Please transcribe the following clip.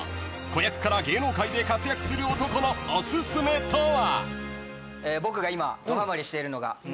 ［子役から芸能界で活躍する男のお薦めとは？］